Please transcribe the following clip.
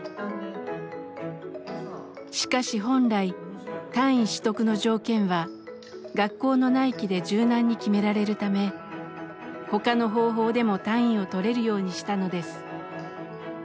しかし本来単位取得の条件は学校の内規で柔軟に決められるため他の方法でも単位を取れるようにしたのです。